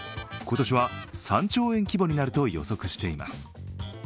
今年は３兆円規模になると予測しています。